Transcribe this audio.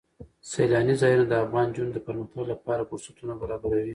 سیلانی ځایونه د افغان نجونو د پرمختګ لپاره فرصتونه برابروي.